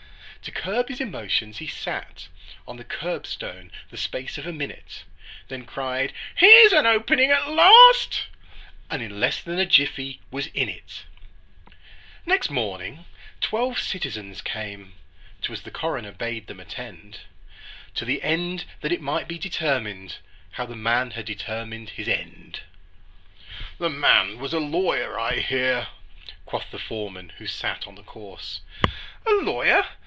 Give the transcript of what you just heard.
To curb his emotions, he sat On the curbstone the space of a minute, Then cried, "Here's an opening at last!" And in less than a jiffy was in it! Next morning twelve citizens came ('Twas the coroner bade them attend), To the end that it might be determined How the man had determined his end! "The man was a lawyer, I hear," Quoth the foreman who sat on the corse. "A lawyer?